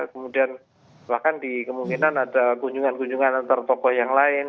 kemudian bahkan di kemungkinan ada kunjungan kunjungan antar tokoh yang lain